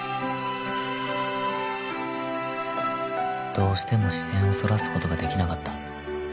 どうしても視線をそらす事ができなかった